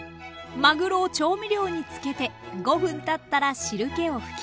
まぐろを調味料につけて５分たったら汁けを拭きます。